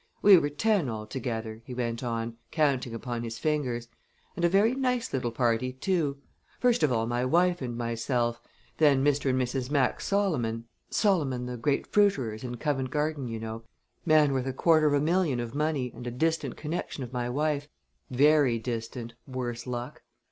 "We were ten, altogether," he went on, counting upon his fingers "and a very nice little party too. First of all my wife and myself. Then Mr. and Mrs. Max Solomon Solomon, the great fruiterers in Covent Garden, you know; man worth a quarter of a million of money and a distant connection of my wife very distant, worse luck!